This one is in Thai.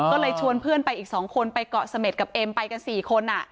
ก็เลยชวนเพื่อนไปอีก๒คนไปเกาะเสม็ดกับเอ็มไปกัน๔คน